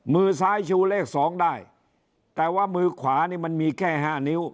มือซ้ายชูเลขสองได้แต่ว่ามือขวานี่มันมีแค่ห้านิ้ว